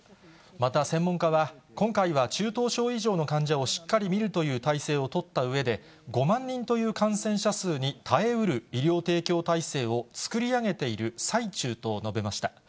また、専門家は今回は中等症以上の患者をしっかり診るという体制を取ったうえで、５万人という感染者数に耐えうる医療提供体制を作り上げている最中と述べました。